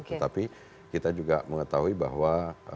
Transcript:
tetapi kita juga mengetahui bahwa